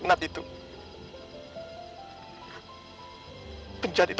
silahkan anak hadib itu